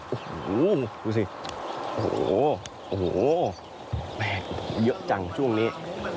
โอ้โหดูสิโอ้โหโอ้โหแปลกเยอะจังช่วงนี้